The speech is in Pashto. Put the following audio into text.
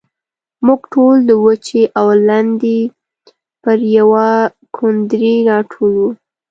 موږ ټول د وچې او لندې پر يوه کوندرې راټول وو.